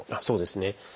そうですね。